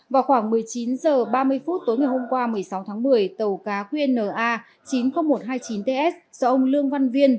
vào khoảng một mươi chín h ba mươi phút tối ngày hôm qua một mươi sáu tháng một mươi tàu cá qnna chín mươi nghìn một trăm hai mươi chín ts do ông lương văn viên